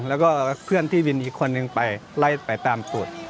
แล้วก็เพื่อนที่วินอีกคนนึงไปไล่ไปตามตรวจ